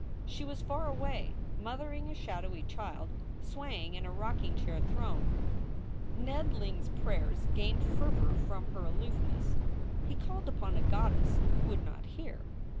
She was far away mothering a shadowy child, swaying in a rocking chair throne. Ned Ling s prayers gained fervor from her aloofness. He called upon a goddess who would not hear.